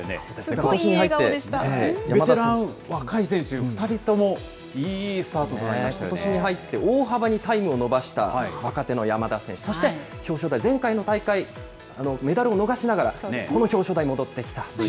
ことしに入って、ベテラン、若い選手、２人ともいいスタートとなことしに入って大幅にタイムを伸ばした若手の山田選手、そして表彰台、前回の大会、メダルを逃しながら、この表彰台に戻ってきた鈴木選手。